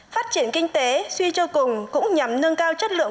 phát triển kinh tế suy cho cùng cũng nhằm nâng cao chất lượng